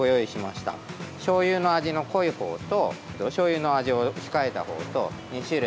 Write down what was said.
しょうゆの味が濃いほうとしょうゆの味を控えたほう２種類。